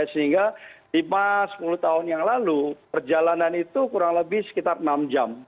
sehingga lima sepuluh tahun yang lalu perjalanan itu kurang lebih sekitar enam jam